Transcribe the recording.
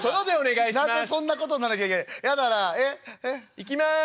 「いきます！」。